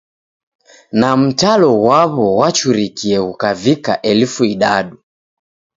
Na mtalo ghwaw'o ghwachurikie ghukavika elfu idadu.